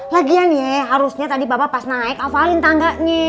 lagian ya harusnya tadi bapak pas naik hafalin tangganya